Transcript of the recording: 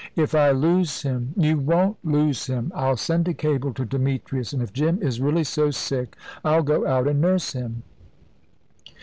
"If I lose him " "You won't lose him. I'll send a cable to Demetrius, and if Jim is really so sick, I'll go out and nurse him."